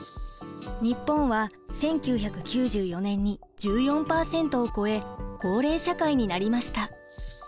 日本は１９９４年に１４％を超え高齢社会になりました。